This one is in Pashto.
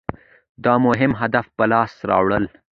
د مهم هدف په لاس راوړل.